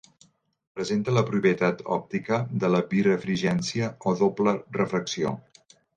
Presenta la propietat òptica de la birefringència o doble refracció.